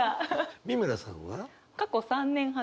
美村さんは？